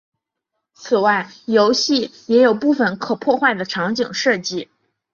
此外游戏也有部分可破坏的场景设计。